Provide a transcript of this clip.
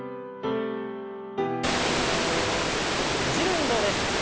ねじる運動です。